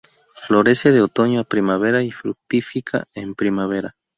Florece de otoño a primavera y fructifica en primavera.